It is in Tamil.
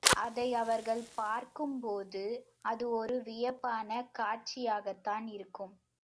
அதை அவர்கள் பார்க்கும்போது அது ஒரு வியப்பான காட்சியாகத்தான் இருக்கும்.